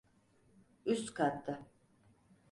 Üst katta.